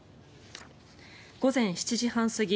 午前７時半過ぎ